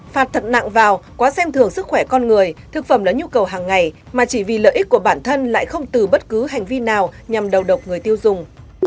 phạt thật nặng vào quá xem thường sức khỏe con người thực phẩm là nhu cầu hàng ngày mà chỉ vì lợi ích của bản thân lại không từ bất cứ hành vi nào nhằm đầu độc người tiêu dùng